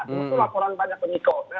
itu laporan banyak ke niko